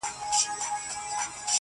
د بېلتون په شپه وتلی مرور جانان به راسي.